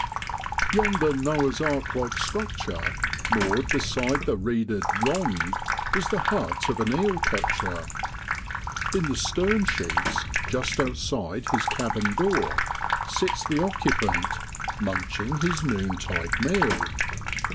Yonder Noah's ark like structure, moored beside the reeded * rond,' is the hut of an eel catcher. In the stern sheets, just outside his cabin door, sits the occu MAY IN BROADLAND. 49 pant, munching his noontide meal.